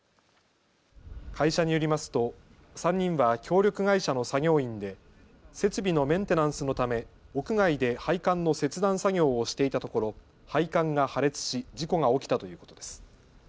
会社によりますと３人は協力会社の作業員で設備のメンテナンスのため屋外で配管の切断作業をしていたところ、配管が破裂し事故が起きたということです。